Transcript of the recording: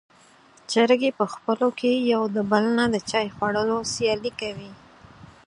چرګې په خپلو کې د يو بل نه د چای خوړلو سیالي کوله.